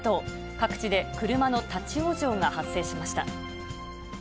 各地で車の立往生が発生しました。